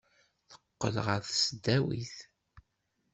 Teqqel ɣer tesdawit.